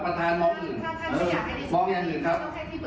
ประธานมองอย่างอื่นครับ